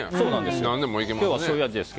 何でもいけますね。